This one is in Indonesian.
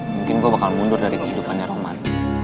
mungkin gue bakal mundur dari kehidupannya roman